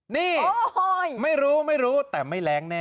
นี่ไม่รู้ไม่รู้แต่ไม่แรงแน่